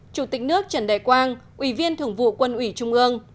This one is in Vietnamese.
chủ tịch nước trần đại quang ủy viên thường vụ quân ủy trung ương